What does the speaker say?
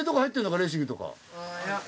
レーシングとか。